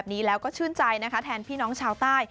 แผนพี่น้องชาวใต้